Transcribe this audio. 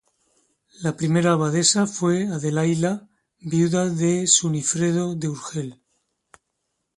La primera abadesa fue Adelaida, viuda de Sunifredo de Urgel.